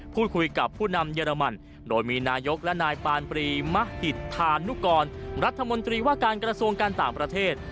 พูดคุยกับผู้นำเยอรมันโดยมีนายกและนายปานปรีมหิตธานุกรรัฐมนตรีว่าการกระทรวงการต่างประเทศ